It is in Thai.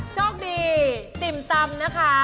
ช่วงดีจิ่มซำนะคะ